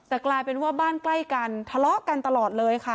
แต่กลายเป็นว่าบ้านใกล้กันทะเลาะกันตลอดเลยค่ะ